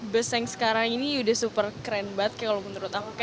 bus yang sekarang ini udah super keren banget kayak kalau menurut aku